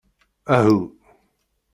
Aḥḥu!